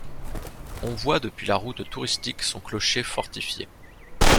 On voit depuis la route touristique son clocher fortifié.